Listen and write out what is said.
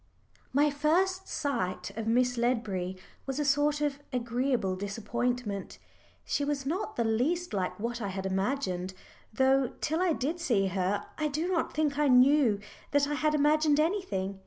My first sight of Miss Ledbury was a sort of agreeable disappointment. She was not the least like what I had imagined, though till I did see her I do not think I knew that I had imagined anything!